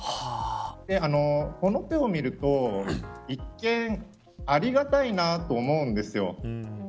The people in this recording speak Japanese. この手を見ると一見ありがたいなと思うんですよ。